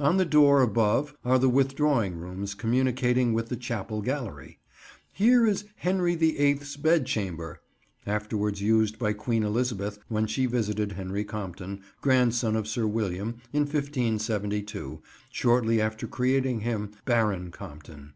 On the door above are the withdrawing rooms communicating with the chapel gallery. Here is "Henry the Eighth's Bedchamber," afterwards used by Queen Elizabeth when she visited Henry Compton, grandson of Sir William, in 1572, shortly after creating him Baron Compton.